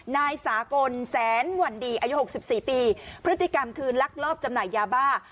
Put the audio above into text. นายสากลแสนวันดีอายุ๖๔ปีพฤติกรรมคือลักลอบจำหน่ายยาบ้า